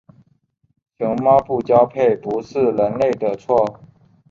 熊猫不交配不是人类的错。